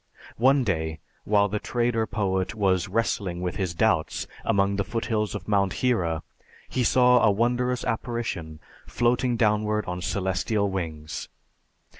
One day, while the trader poet was wrestling with his doubts among the foothills of Mount Hira, he saw a wondrous apparition floating downward on celestial wings.